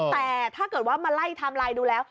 แต่ถ้าเกิดว่ามาไล่ไทม์ไลน์ดูแล้ว